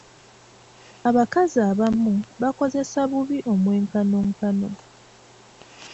Abakazi abamu bakozesa bubi omwenkanonkano.